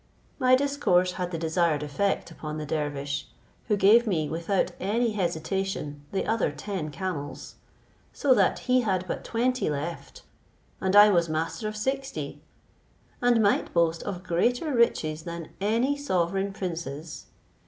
My discourse had the desired effect upon the dervish, who gave me, without any hesitation, the other ten camels; so that he had but twenty left and I was master of sixty, and might boast of greater riches than any sovereign princes.